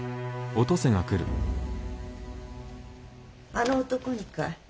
あの男にかい？